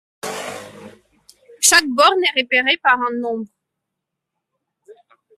Chaque borne est repérée par un nombre.